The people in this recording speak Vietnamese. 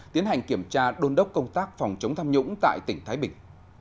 tiến hành kiểm tra đôn đốc công tác phòng chống tham nhũng tại tỉnh thái bình